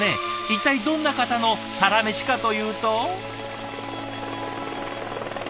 一体どんな方のサラメシかというと。